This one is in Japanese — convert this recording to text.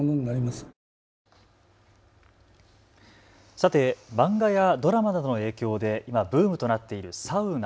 さて、漫画やドラマなどの影響で今、ブームとなっているサウナ。